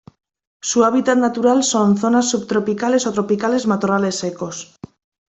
Su hábitat natural son: zonas subtropicales o tropicales matorrales secos.